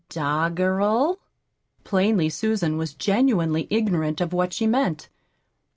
"Doggerel?" Plainly Susan was genuinely ignorant of what she meant.